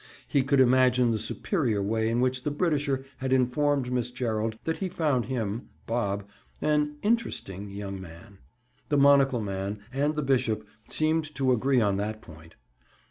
He could imagine the superior way in which the Britisher had informed Miss Gerald that he found him (Bob) an "interesting young man." The monocle man and the bishop seemed to agree on that point.